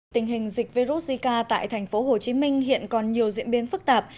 tình hình dịch virus zika tại thành phố hồ chí minh hiện còn nhiều diễn biến phức tạp